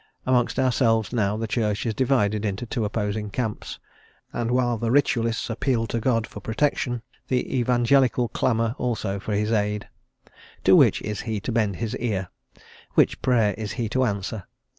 Amongst ourselves, now, the Church is divided into two opposing camps, and while the Ritualists appeal to God for protection, the Evangelical clamour also for his aid. To which is he to bend his ear? which Prayer is he to answer?